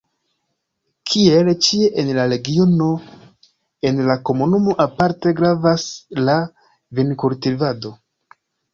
Kiel ĉie en la regiono, en la komunumo aparte gravas la vinkultivado.